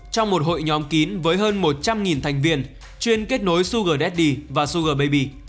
trong một hội nhóm kín với hơn một trăm linh thành viên chuyên kết nối sugar daddy và sugar baby